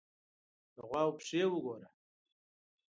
_د غواوو پښې وګوره!